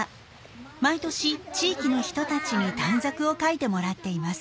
毎年地域の人たちに短冊を書いてもらっています。